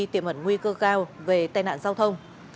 tiềm ẩn nguy cơ cao về tai nạn giao thông